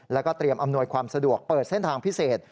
แล้วก็เตรียมอำนวยความสะดวกเปิดเส้นทางพิเศษ